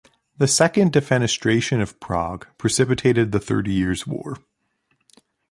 The Second Defenestration of Prague precipitated the Thirty Years' War.